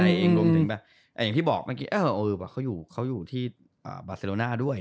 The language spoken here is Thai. อย่างที่บอกเมื่อกี้เขาอยู่ที่บาเซโรน่าด้วย